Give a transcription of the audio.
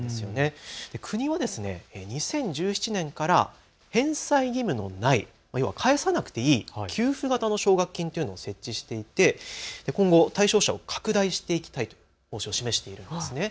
国は２０１７年から返済義務のない、返さなくていい給付型の奨学金というのを設置していて今後、対象者を拡大していきたいという方針を示しているんです。